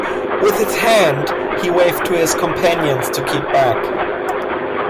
With his hand he waved to his companions to keep back.